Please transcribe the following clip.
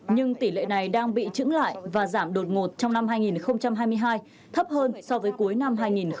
nhưng tỷ lệ này đang bị trứng lại và giảm đột ngột trong năm hai nghìn hai mươi hai thấp hơn so với cuối năm hai nghìn hai mươi hai